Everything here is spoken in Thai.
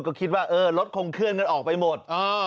ก็คิดว่ารถคงเคลื่อนกันออกไปหมด